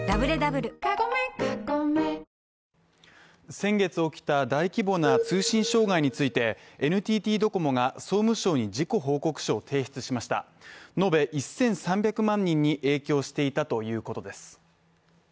先月起きた大規模な通信障害について、ＮＴＴドコモが総務省に事故報告書を提出しました延べ１３００万人に影響していたということです。